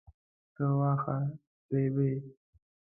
ته واخه ریبې؟